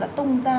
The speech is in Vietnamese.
đã tung ra